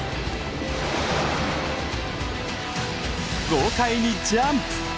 豪快にジャンプ！